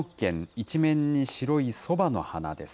一面に白いそばの花です。